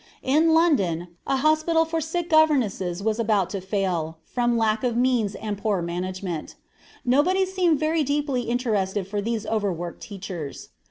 In London, a hospital for sick governesses was about to fail, from lack of means and poor management. Nobody seemed very deeply interested for these overworked teachers.